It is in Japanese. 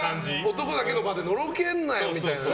男だけの場でのろけんなよみたいなね。